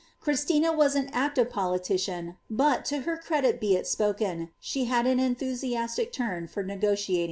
Christina was an active poli tic ian, but, to her credit be it spoken, she had an enthusiastic turn for n^ijotialin?